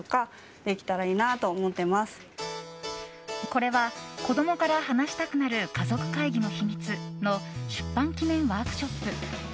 これは「子どもから話したくなる“かぞくかいぎ”の秘密」の出版記念ワークショップ。